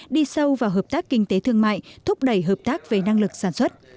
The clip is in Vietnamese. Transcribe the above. đi sâu vào hợp tác kinh tế thương mại thúc đẩy hợp tác về năng lực sản xuất